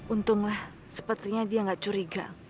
untunglah sepertinya dia gak curiga